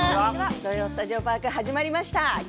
「土曜スタジオパーク」始まりました。